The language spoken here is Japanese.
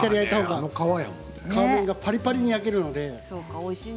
皮面がパリパリに焼けるので。